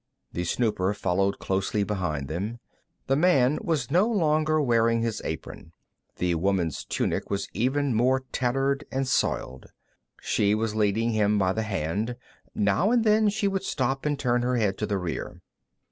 The snooper followed closely behind them. The man was no longer wearing his apron; the woman's tunic was even more tattered and soiled. She was leading him by the hand. Now and then, she would stop and turn her head to the rear.